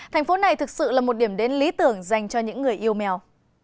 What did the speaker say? thành phố này thực sự là một điểm đến lý tưởng dành cho những người yêu mèo